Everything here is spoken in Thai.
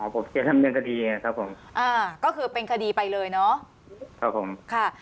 ผมจะทำเรื่องคดีไงครับผมอ่าก็คือเป็นคดีไปเลยเนาะครับผมค่ะ